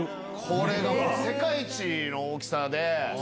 これが世界一の大きさで。